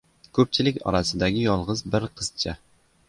ko‘pchilik orasidagi yolg‘iz bir qizcha.